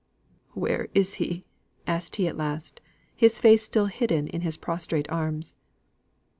"Where is he?" asked he at last, his face still hidden in his prostrate arms.